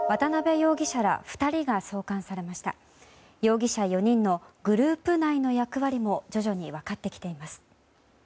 容疑者４人のグループ内の役割も徐々に分かってきています。